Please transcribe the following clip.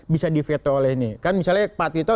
bisa diveto oleh ini kan misalnya pak tito